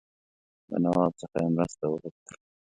له نواب څخه یې مرسته وغوښتل.